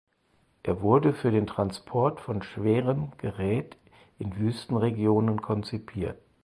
Er wurde für den Transport von schwerem Gerät in Wüstenregionen konzipiert.